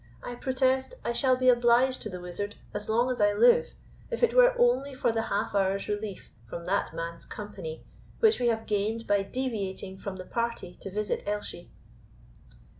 I protest I shall be obliged to the Wizard as long as I live, if it were only for the half hour's relief from that man's company which we have gained by deviating from the party to visit Elshie."